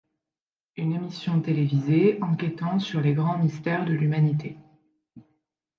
Une émission télévisée enquêtant sur les grands mystères de l'humanité.